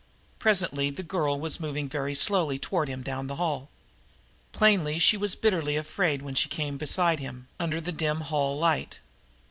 Presently the girl was moving very slowly toward him down the hall. Plainly she was bitterly afraid when she came beside him, under the dim hall light.